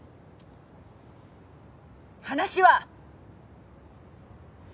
話は。